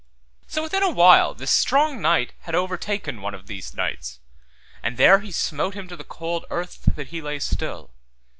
So within a while this strong knight had overtaken one of these knights, and there he smote him to the cold earth that he lay still.